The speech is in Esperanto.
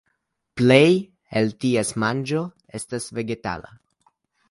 Plej el ties manĝo estas vegetala.